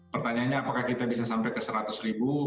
pertanyaannya apakah kita bisa sampai ke seratus ribu